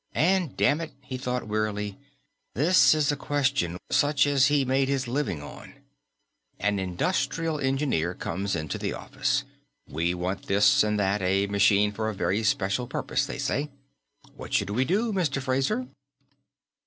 And damn it, he thought wearily, this was a question such as he made his living on. An industrial engineer comes into the office. We want this and that a machine for a very special purpose, let's say. What should we do, Mr. Fraser?